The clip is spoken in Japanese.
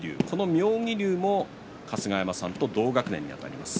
妙義龍も春日山さんと同学年にあたります。